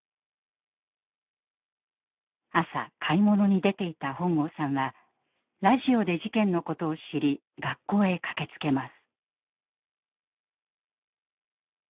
朝買い物に出ていた本郷さんはラジオで事件のことを知り学校へ駆けつけます。